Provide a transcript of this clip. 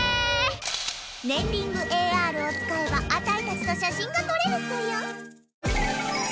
ねんリングＡＲをつかえばあたいたちとしゃしんがとれるぞよ